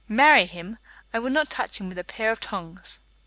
Marry him! I would not touch him with a pair of tongs."